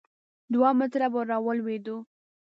دوه متره به را ولوېدو.